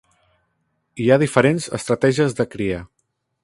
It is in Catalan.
Hi ha diferents estratègies de cria.